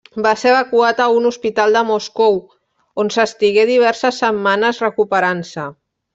Va ser evacuat a un hospital de Moscou, on s'estigué diverses setmanes recuperant-se.